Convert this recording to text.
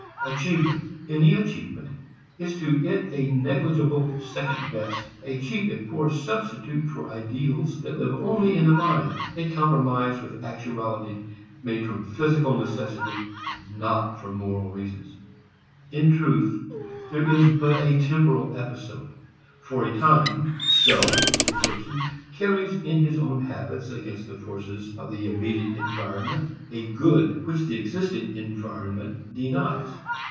Achievement, any achievement, is to it a negligible second best, a cheap and poor substitute for ideals that live only in the mind, a compromise with actuality made from physical necessity not from moral reasons. In truth, there is but a temporal episode. For a time, a self, a person, carries in his own habits against the forces of the immediate environment, a good which the existing environment denies.